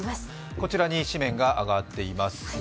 こちらに紙面が上がっています。